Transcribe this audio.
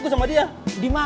sama dia dimana